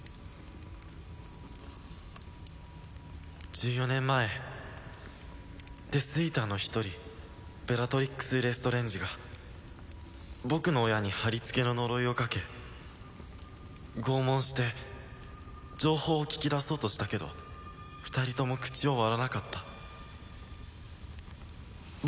１４年前デスイーターの一人ベラトリックス・レストレンジが僕の親にはりつけの呪いをかけ拷問して情報を聞き出そうとしたけど二人とも口を割らなかった僕